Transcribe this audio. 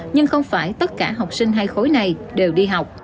nhưng không phải tất cả học sinh hai khối này đều đi học